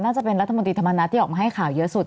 จะเป็นรัฐมนตรีธรรมนัฐที่ออกมาให้ข่าวเยอะสุด